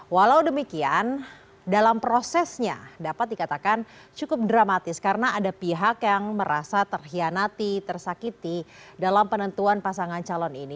walau demikian dalam prosesnya dapat dikatakan cukup dramatis karena ada pihak yang merasa terhianati tersakiti dalam penentuan pasangan calon ini